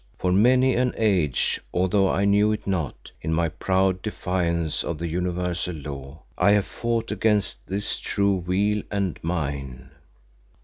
For many an age, although I knew it not, in my proud defiance of the Universal Law, I have fought against his true weal and mine.